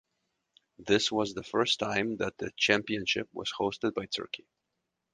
This was the first time that the championship was hosted by Turkey.